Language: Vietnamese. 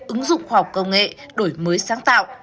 ứng dụng hoặc công nghiệp